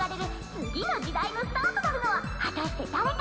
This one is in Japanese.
次の時代のスターとなるのははたしてだれか？